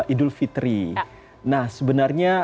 idul fitri nah sebenarnya